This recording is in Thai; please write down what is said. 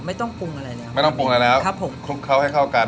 ไม่ต้องปรุงอะไรเลยครับไม่ต้องปรุงอะไรแล้วครับผมคลุกเคล้าให้เข้ากัน